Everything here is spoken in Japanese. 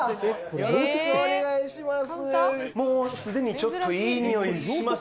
よろしくお願いします